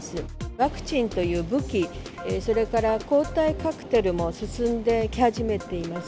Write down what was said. ワクチンという武器、それから抗体カクテルも進んでき始めています。